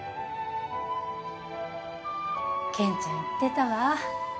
健ちゃん言ってたわ。